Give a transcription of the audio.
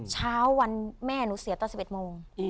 เช้าวันแม่หนูเสียตอน๑๑โมง